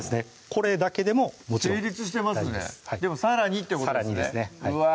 これだけでももちろん成立してますねでもさらにってことですねうわ